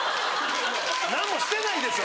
何もしてないんでしょ。